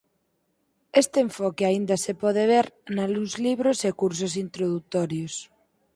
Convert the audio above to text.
Este enfoque aínda se pode ver nalgúns libros e e cursos introdutorios.